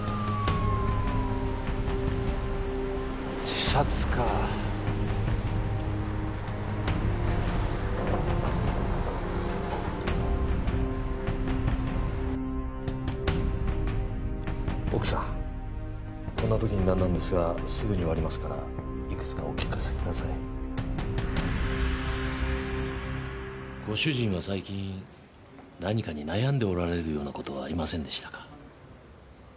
自殺か奥さんこんな時に何なんですがすぐに終わりますからいくつかお聞かせくださいご主人は最近何かに悩んでおられるようなことはありませんでしたか？